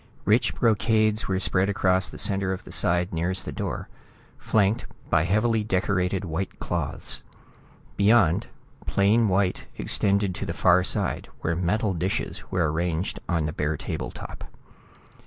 Rich brocades were spread across the center of the side nearest the door, flanked by heavily decorated white cloths. Beyond, plain white extended to the far side, where metal dishes were arranged on the bare table top.